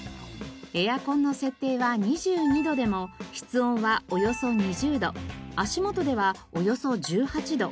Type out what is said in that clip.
エアコンの設定は２２度でも室温はおよそ２０度足元ではおよそ１８度。